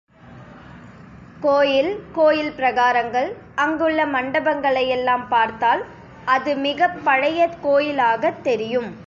கோயில், கோயில் பிரகாரங்கள் அங்குள்ள மண்டபங்களையெல்லாம் பார்த்தால் அது மிகப் பழைய கோயிலாகத் தெரியும்.